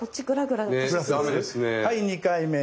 はい２回目。